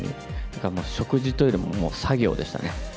だから、食事というよりも、もう作業でしたね。